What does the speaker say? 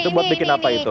itu buat bikin apa itu